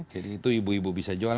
itu ibu ibu bisa jual